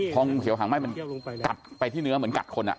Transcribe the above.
พองูเขียวหางไหม้มันกัดไปที่เนื้อเหมือนกัดคน